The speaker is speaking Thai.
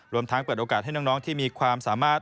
ทั้งเปิดโอกาสให้น้องที่มีความสามารถ